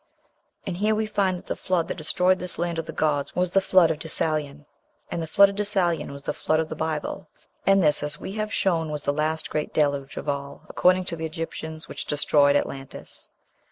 And here we find that the Flood that destroyed this land of the gods was the Flood of Deucalion, and the Flood of Deucalion was the Flood of the Bible, and this, as we have shown, was "the last great Deluge of all," according to the Egyptians, which destroyed Atlantis.